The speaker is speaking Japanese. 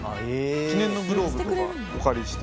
記念のグローブとかお借りして。